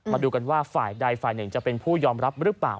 มาดูกันว่าฝ่ายใดฝ่ายหนึ่งจะเป็นผู้ยอมรับหรือเปล่า